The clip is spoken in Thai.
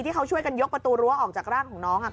ที่เขาช่วยกันยกประตูรั้วออกจากร่างของน้อง